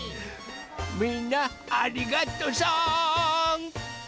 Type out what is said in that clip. みんなありがとさん！